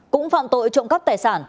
cũng phạm tội trộm cắp tài sản